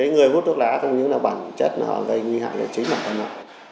người hút thuốc lá có những bản chất gây nguy hại chính là con ạ